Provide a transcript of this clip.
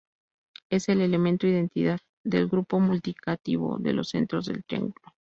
Es el "elemento identidad" del grupo multiplicativo de los centros del triángulo.